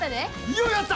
ようやった！